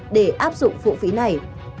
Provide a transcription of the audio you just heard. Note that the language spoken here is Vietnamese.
để áp dụng phụ phí này